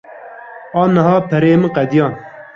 Aniha pereyên min qediyan.